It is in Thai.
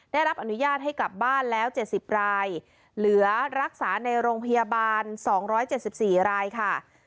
ได้รับอนุญาตให้กลับบ้านแล้วเจ็ดสิบรายเหลือรักษาในโรงพยาบาลสองร้อยเจ็ดสิบสี่รายค่ะ